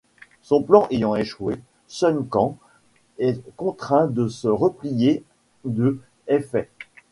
Son plan ayant échoué, Sun Quan est contraint de se replier de Hefei.